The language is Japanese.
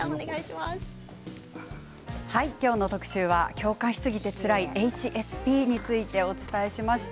今日の特集は共感しすぎてつらいＨＳＰについてお伝えしました。